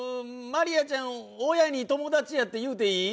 真莉愛ちゃん、親に友達やっていうていい？